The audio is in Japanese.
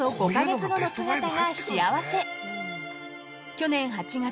［去年８月